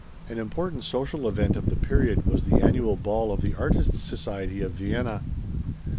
An important social event of the period was the annual ball of the Artists' Society of Vienna.